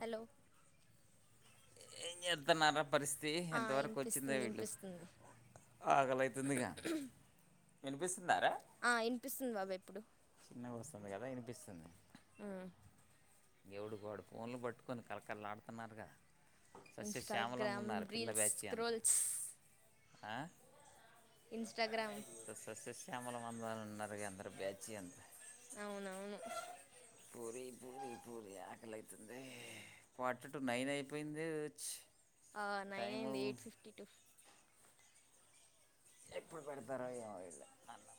Hello ఏం జేత్తున్నారు పరిస్థితి ఆ ఎంతవరకు వచ్చిందే ఇనిపిస్తుంది వీళ్ళు ఇనిపిస్తుంది ఆకలవుతుందిగా ఇనిపిస్తుందారా ఆ ఇనిపిస్తుంది బాబాయ్ ఇప్పుడు [unintelligible] వస్తుంది కదా వినిపిస్తుంది ఆ ఎవడికి వాడు ఫోన్లు బట్టుకొని కలకళ్ళ ఆడుతున్నారుగా ఇన్స్టాగ్రామ్ రీల్స్ బ్యాచి అంతా స్క్రోల్స్ ఆ ఇన్స్టాగ్రామ్ సస్ సస్యస్ శ్యామల మందని ఉన్నారు గా అందరు బ్యాచి అంతా అవునవును పూరి పూరి పూరి ఆకలి అయితుందె ఫార్టీ టు నైన్ అయి పోయిందోచ్ ఆ నైన్ అయింది ఎయిట్ ఫిఫ్టీ టు ఎప్పుడు పెడతారో ఏమో వీళ్ళు అన్నం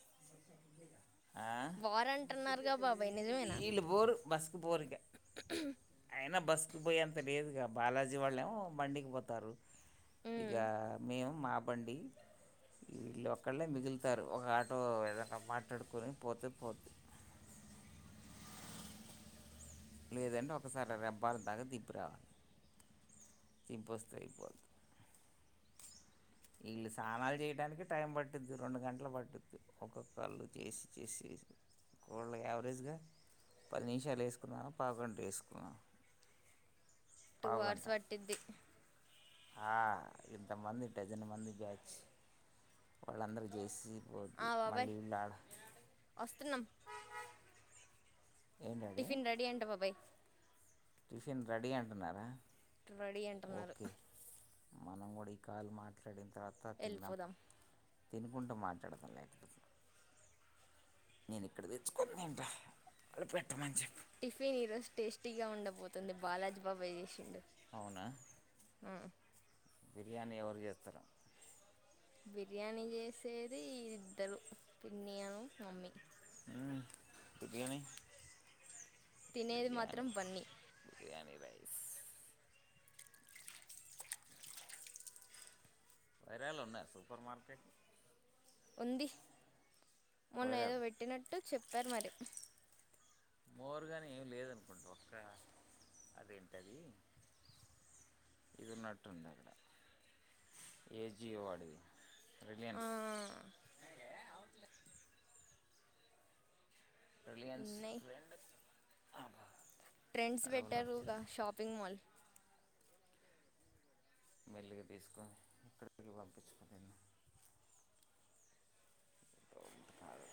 ఆ? వార్ అంటున్నారుగా బాబాయ్ నిజమేనా వీళ్ళు పోరు బస్కు పోరు ఇక అయినా బస్సుకు పోయేంత లేదుగా బాలాజీ వాళ్ళు ఏమో బండికి పోతారు ఇగ ఉమ్ మేము మా బండి వీళ్ళు ఒక్కళ్ళే మిగులుతారు ఒక ఆటో ఏదన్నా మాట్లాడుకొని పోతే పోతి లేదంటే ఒకసారి రబ్బాల్ దాగా దింపి రావాలి దింపొస్తే అయిపోతుంది ఈళ్ళు స్నానాలు చేయడానికి టైం పట్టుద్ది రెండు గంటలు పట్డుద్ది ఒక్కొక్కళ్ళు చేసి చేసి వాళ్ళు యావరేజ్ గా పది నిమిషాలు ఏసుకున్నాను పావు గంట ఏసుకున్నాను టూ అవర్స్ పట్టిద్ది ఆ ఇంతమంది డజన్ మంది బ్యాచ్ వాళ్ళందరు జేసి ఆ బాబాయ్ వస్తున్నాం ఏం డాడీ టిఫిన్ రెడీ అంట బాబాయ్ టిఫిన్ రెడీ అంటున్నారా రెడీ అంటున్నారు ఓకే మనం కూడా ఈ కాల్ మాట్లాడె తర్వాత తిందాం వెళ్ళిపోదాం తినుకుంటా మాట్లాడతా లే నేను ఇక్కడ దెచ్చుకొని దింట వాళ్ళు పెట్ట మంచి టిఫిన్ ఈ రోజు టేస్టీగా ఉండబోతుంది బాలాజీ బాబాయ్ జేసిండు అవునా ఆ బిర్యానీ ఎవరు జేస్తరొ బిర్యానీ చేసేది ఇద్దరు పిన్ని అను మమ్మీ ఊ బిర్యాని తినేది మాత్రం బన్ని [unintelligible] [unintelligible] ఉంది మొన్న ఏదో వైరాలు పెట్టినట్టు చెప్పారు మరి మోర్ [unintelligible] ఇంకేం లేదనుకుంటా [unintelligible] ఆ, రలీయన్స్ రిలయన్స్ ఉన్నాయి [unintelligible] [unintelligible] ట్రెండ్స్ అడవులు పెట్టారుగా వచ్చింది షాపింగ్ మాల్ మెల్లిగా తీసుకొని ఇక్కడికి పంపించుకోనిన్న కాదు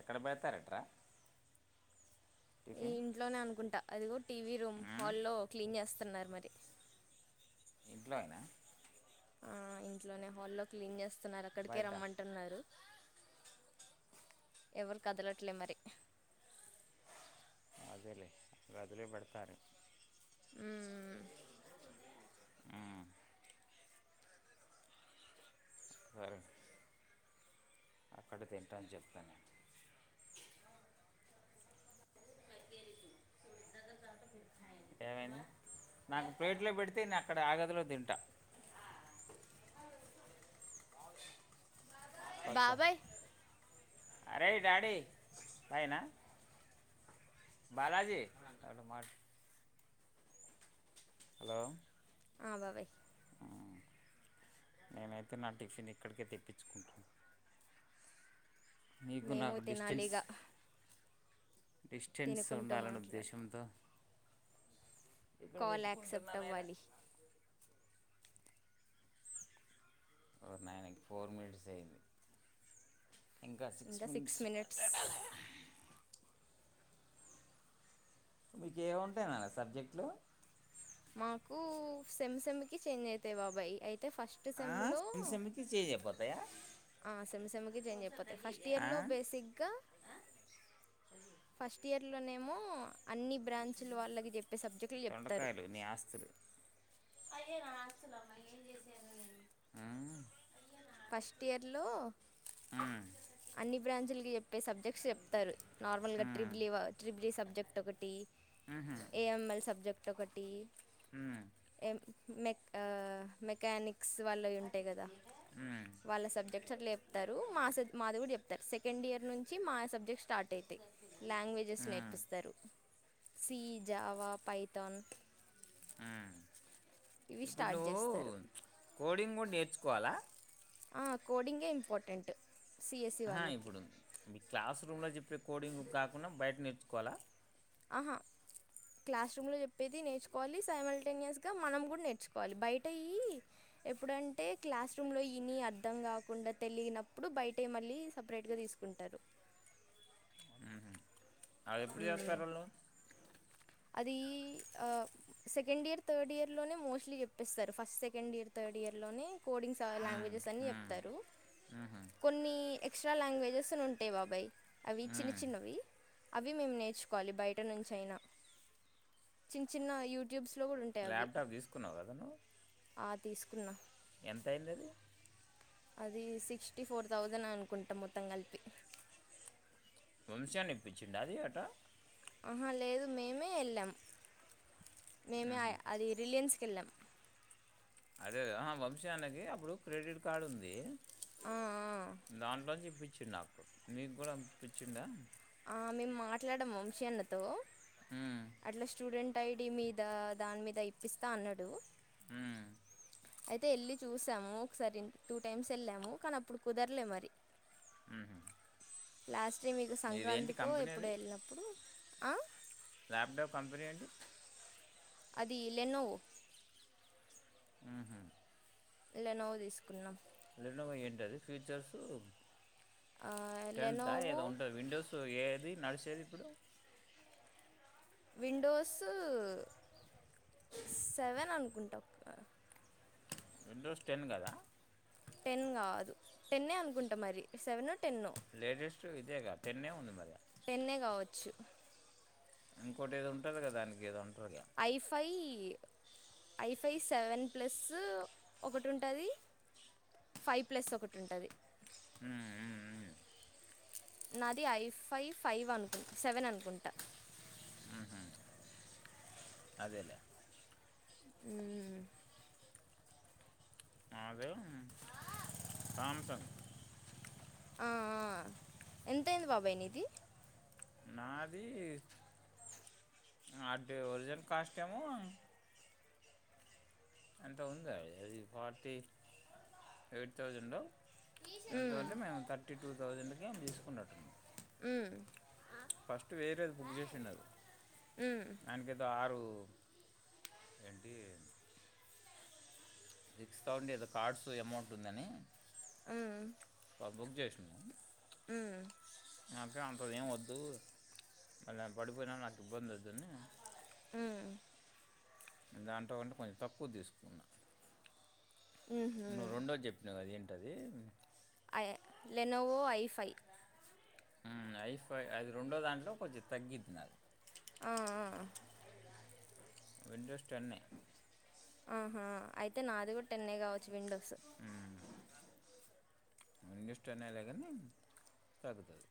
ఎక్కడ పెడతారట్రా ఈ టిఫిన్ ఇంట్లోనే అనుకుంటా అదిగో టీవీ రూమ్ ఉమ్, హాల్లో క్లీన్ చేస్తా స్తున్నారు మరి ఇంట్లోనా ఆ ఇంట్లోనే హాల్లో క్లీన్ చేస్తా స్తున్నారు అక్కడికే బయట రమ్మంటున్నారు ఎవరు కదలట్లే మరి అదేలే [unintelligible] పేడతారు మ్మ్ ఉమ్, [unintelligible] అక్కడే తింటా అని చెప్తా నేను నాకు ప్లేట్లో పెడితే నే అక్కడ ఆ గదిలో తింటా కొత్త బాబాయ్ అరే డాడి పైన బాలాజీ [unintelligible] హలో ఆ బాబాయ్ నేనైతే నా టిఫిన్ ఇక్కడికే తెప్పించుకుంటాం మేము తినాలిగా డిస్టెన్స్ తినుకుంటూ ఉండాలని మాట్లాడతాం ఉద్దేశంతో ఇక్కడ కాల్ పెట్టుకుంటున్నా యాక్సెప్ట్ నాయన అవ్వాలి ఓర్ నాయన ఫోర్ మినిట్స్ అయ్యంది ఇంకా సిక్స్ మినిట్స్ మాట్లాడాలి మీకు ఏం ఉంటాయి నన్న సబ్జెక్టులు మాకు సెమ్ సెమ్కి చేంజ్ అయితాయి బాబాయ్ అయి ఫస్ట్ సేమ్ లో సెమ్కి చేంజ్ అయిపోతాయా ఆ సేమ్ సేమ్ కి చేంజ్ అయిపోతే ఫస్ట్ ఇయర్ ఆ? లో బేసిక్ గా [unintelligible] ఇట్టిలోనేఏమో అన్ని బ్రాంచులు వాళ్ళకి చెప్పే సబ్జెక్టులు చెప్తారు అదేన [unintelligible] ఏం చేసేదో ఏమో ఫస్ట్ ఇయర్ లో మ్మ్. అన్ని బ్రాంచులకి చెప్ ప్పే సబ్జెక్ట్స్ చెప్తారు. నార్మల్ గా మ్మ్. ట్రిబలి ట్రిబలీ సబ్ సబ్జెక్టు ఒకటి మ్మ్. ఏ ఎం ఎల్ సబ్జెక్ట్ ఒకటి టొకటి ఎ మెక్ ఆ మెకనిక్ స్ వాళ్ళవి ఉంటయి కదా. వాళ్ళ సబ్జెక్ట్స్ అట్లు చెప్తారు, మా స మాది కూడా చెప్తారు, సెకండ్ ఇయర్ నుంచి మా సబ్జెక్ట్ స్టార్ట్ అయితే లాంగ్వేజెస్ నేర్పిస్తారు. సి, జావా, పైతన్ అ ఇప్పుడు నువ్వు చేస్తారు కోడింగ్ కూడా నేర్చుకోవాలా? ఆ కోడింగే ఇంపార్టెంట్ సిఎస్సి ఆ వాళ్ళకి ఇప్పుడుంది మీ క్లాసు రూంలో జెప్ కోడింగ్ కాకుండా బయట నేర్ కోల ఆహా క్లాస్ రూమ్ లో చెప్పేది నేర్చుకోవాలి సైమల్టేనియస్గా మనం కూడా నేర్చుకోవాలి, బయట ఇయి ఎప్పుడంటే క్లాస్ రూంలో ఇని అర్థం కాకుండా తెలియినప్పుడు బయట మళ్ళీ సపరేట్గా తీసుకుంటారు. అవి ఎప్పుడు చేస్తారు వాళ్ళు ది ఆ సెకండ్ ఇయర్ థర్డ్ ఇయర్లోనే మోస్ట్లీ చెప్పేస్తారు, ఫస్ట్ సెకండ్ ఇయర్ థర్డ్ ఇయర్లోనే కోడింగ్స్ స మ్మ్, లాంగ్వేజెస్ అని మ్మ్, చెప్తారు, మ్మ్, కొన్ని ఎక్స్ట్రా లాంగ్వేజెస్ అని ఉంటయి బాబాయి అవి చిన్న మ్మ్. చిన్నవి అవి మేము నేర్చుకోవాలి బయట నుంచయినా. చిన్న చిన్న యూట్ ల్యాప్టాప్ తీసుకున్నవార నువ్వు ఆ, తీసుకున్నా ఎంత అయింది అది అది సిక్స్టీ ఫోర్ థౌజండ్ అనుకుంటాం మొత్తం కలిపి. శాన్ని ఇప్పించిండా అది ఆటా ఆహా లేదు మేమే ఎళ్ళాము. మేమే ఆయ్ అది రిలయన్స్ కిల్లం అదే వంశీజన్నకి అప్పుడు క్రెడిట్ కార్డు ఉంది ఆ, ఆ. దాంట్లో ఇప్పించిం నాకు మీకు కూడా ఇప్పించిడా ఆ మేము మాట్లాడము వంశీ అన్నతో మ్మ్, అట్లా స్టూడెంట్ ఐ డి మీద దాని మీద ఇప్పిస్తా అన్నాడు మ్మ్. అయితే వెళ్ళి చూసాము ఒకసారి టూ టైమ్స్ వెళ్ళాము కానీ అప్పుడు కుదరలే మరి హ్మ్ హు లాస్ట్ కి మీకు సంక్రాంతికో ఎప్పుడో అది వెళ్ళినప్పుడు ఆ ల్యాప్టాప్ కంపెనీ ఏంటి అది లెన్నో హ్మ్ హు ఇ లెనోవా తీసుకున్నాం లెనోవా ఏంటది ఫ్యూచర్సు టెన్త్ ఆ లెనోవో ఏదో ఉంటుంది విండోస్ ఏది నడిసి ఏది ఇప్పుడు విండోస్ సెవెన్ అనుకుంటా విండోస్ టెన్ కదా టెన్ కాదు టెన్ ఏ అనుకుంటా మరి సెవెనో టెన్నో స్ట్ ఇదే గా టెన్నె ఉంది మరి ఇగ టెన్నే కావచ్చు ఇంకోటి ఏదో ఉంటది గా దానికి ఏదో ఉంటుంది ఐఫై ఈ ఐఫై సెవెన్ ప్లస్ ఒకటి ఉంటది ఫైవ్ ప్లస్ ఒకటి ఉంటది మ్మ్ మ్మ్ మ్మ్ నాది ఐ ఫైవ్ ఫైవ్ అనుకు సెవెన్ అనుకుంటా హ్మ్ హు అదేలే మ్మ్ మాదేం శ్యాంసంగ్ ఆ ఆ ఎంతయింది బాబాయి నీది నాది అంటే ఒరిజన్ కాస్ట్ ఏమో అంత ఉంది అది ఫార్టీ ఎయిట్ థౌజండ్ మ్మ్, ఎంతకంటే మేము థర్టీ టూ థౌజండ్కి తీసుకునిట్టున్నాం మ్మ్ ఫస్ట్ వేరేది బుక్ చేసిండు అడు మ్మ్, దానికి ఏదో ఆరు రు ఏంటి సిక్స్ థౌసండ్ ఏదో కార్డ్స్ ఎమౌంట్ ఉందని మ్మ్ బుక్ చేసినం మ్మ్ ఇప్పుడు ఏం వద్దు మళ్ళ ఆమె పడిపోయినా నాకు ఇబ్బందైదని ఉమ్ దాంట్లో అంటే కొంచెం తక్కువదీసుకున్నా నువ్వు మ్మ్హ్మ్. రెండోజెప్పినవ్ గద ఏం టది అయ లెనోవో ఐ ఫై ఉమ్ ఐ ఫై అది రెండో దాంట్లో కొంచెం తగ్గిద్ది నాది ఆ ఆ విండోస్ టెన్నే ఆహా అయితే నాది కూడా టెన్నే కావచ్చు విండొ స విండోస్ టెన్నే లే గనీ తగ్గుతది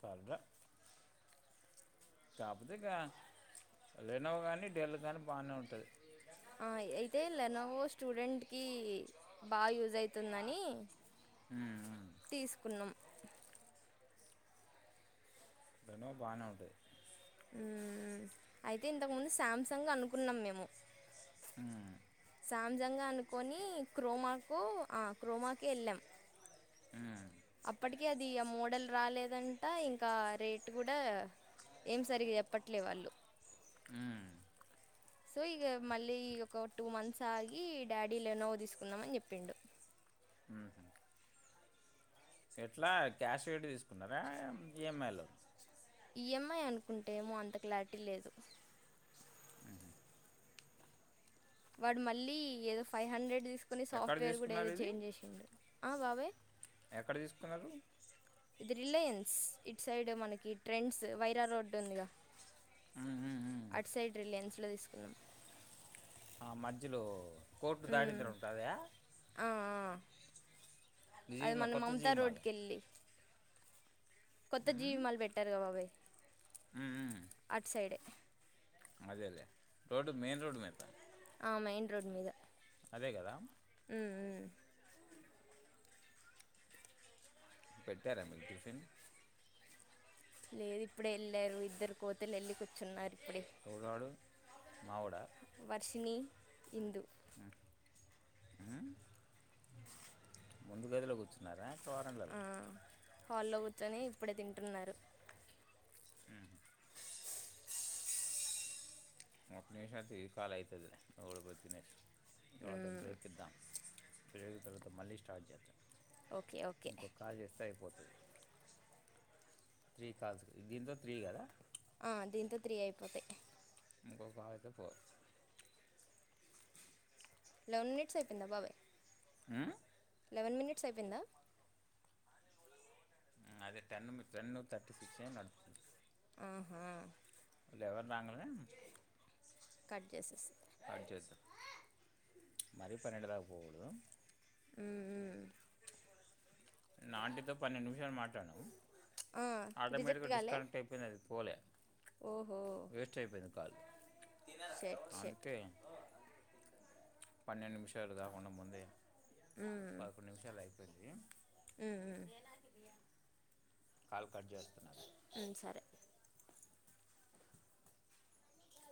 పర్ల కాపోతే గా లేనోవ్ గాని డెల్ గానీ బానే ఉంటది ఆ, అయితే లెనోవో స్టూడెంట్కీ బా యూజయితుందని తీస్కున్నం దనొ బానే ఉంటది ఊం అయితే ఇంతకుముందు సాంసంగ్ అనుకున్నం మేము ఉమ్ సామ్సంగ్ అనుకొని క్రోమాకు ఆ క్రోమాకి ఎళ్ళాం ఉమ్ అప్పటికి అది ఆ మోడల్ రాలేదంట ఇంకా రేట్ కూడా ఏం సరిగ చెప్పట్లే వాళ్ళు ఊం సో ఇగ మళ్ళీ ఒక టూ మంత్స్ ఆగీ డాడీ లెనోవ్ తీసుకుందామని చెప్పిండు ఊ హు ఎట్లా క్యాష్ పెట్టి తీసుకున్నారా ఈఎంఐలో ఈఎంఐ అనుకుంటే ఏమో అంత క్లారిటి లేదు వాడు మల్లీ ఏదో ఫై హండ్రెడ్ దీస్ కుని ఎక్కడ సాఫ్ట్వేర్ గూడా తీసుకున్నారు ఏదో ఇది చేంజ్ జేశిండు ఆ బాబయ్ ఎక్కడ దీస్కున్నారు? ఇది రిలయన్స్ ఇట్సైడ్ మనకి ట్రెండ్స్ వైరా రోడ్డు ఉందిగా ఉమ్ ఉమ్ ఉమ్ అట్సైడ్ రిలయన్స్ ట్ల తీసుకున్నం ఆ మధ్యలో కోర్టు దాడింద్ర ఉంటాదా? ఆ, ఆ. అది మన మమ్త జీవిమాల రోడ్కెల్లి కొత్త జీవి ఉమ్ మాల్ పెట్టేరుగా బాబాయ్ ఉమ్ ఉమ్ అట్సైడె అదేలే రోడ్డు మెయిన్ రోడ్ మీద ఆ మెయిన్ రోడ్ మీద అదే గదా? ఊంఊం పెట్టేరా మీకు టిఫీన్? లేరు, ఇప్పుడే ఎల్లేరు ఇద్దరు కోతులెల్లి కుచ్చున్నారు. ఎవడాడు. మావోడా వర్షిణీ, ఇందు. ముందుగదిలో కూచున్నారా? ఆ హాల్లో కు చొనీ ఇప్పుడే తింటున్నారు. ఉమ్ మాకు నివిషానికీ కాల్ అయితదిలే. [unintelligible] తర్వాత ఉమ్, బ్రేక్ ఇద్దాం. [unintelligible] తర్వాత మల్లీ స్టార్ట్ చేద్దాం. ఓకే ఓకే ఇంకో కాల్ చేస్తే అయిపో త్రీ కాల్స్ దీంతో త్రీ గదా. ఆ దీంతో త్రీ అయిపోతాయి. ఇంకో ఫా అయితే ఫోర్. లెవెన్ మినిట్స్ అయిపేందా బాబయ్? ఆ లెవెన్ మినిట్స్ అయిపెందా? మ్ అదే టెన్ మి టెన్ను థర్టీ సిక్సే నడుత్తది. ఆహా ఎవరు రాంగనే కట్ జేసెస్ కట్ జేద్దాం మరీ పన్నెండుదాక పోగూడదా? మ్ మ్ నిన్న ఆంటితో పన్నెండు నిమిషాలు మాట్టాడినం. రిజెక్ట్ ఆటోమేటిక్గా కాలే డిస్కనెక్ట్ అయిపోయింది అది పోలే, ఓహో వేస్ట్ అయిపోయింది కాల్ షెట్ షెట్ అందుకే పన్నెండు నిమిషాలు గాకుండా ముందే, ఉమ్ పదకొండు నిమిషాల్లో అయిపోయిందీ. ఉమ్ ఉమ్ కాల్ కట్ జేస్తనాలే. ఉమ్ సరే